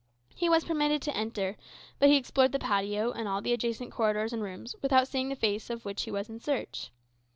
He was permitted to enter; but he explored the patio and all the adjacent corridors and rooms without seeing the face of which he was in search.